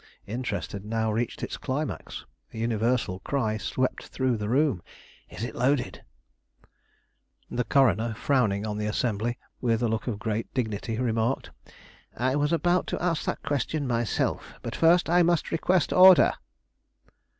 Interest had now reached its climax. A universal cry swept through the room, "Is it loaded?" The coroner, frowning on the assembly, with a look of great dignity, remarked: "I was about to ask that question myself, but first I must request order."